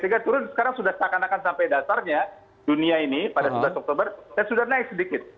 sehingga turun sekarang sudah seakan akan sampai dasarnya dunia ini pada sebelas oktober dan sudah naik sedikit